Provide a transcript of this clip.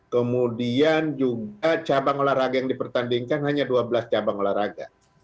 kemudian juga cabang olahraga yang dipertandingkan hanya dua belas cabang olahraga